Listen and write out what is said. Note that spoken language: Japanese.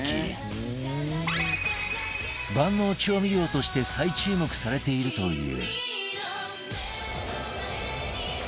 万能調味料として再注目されているという